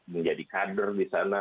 menjadi kader disana